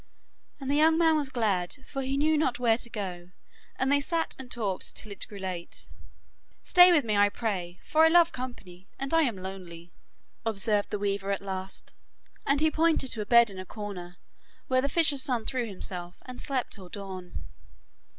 And the young man was glad, for he knew not where to go, and they sat and talked till it grew late. 'Stay with me, I pray, for I love company and am lonely,' observed the weaver at last, and he pointed to a bed in a corner, where the fisher's son threw himself, and slept till dawn.